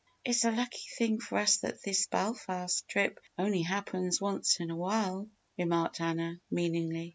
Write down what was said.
"It's a lucky thing for us that this Belfast trip only happens once in a while," remarked Anna, meaningly.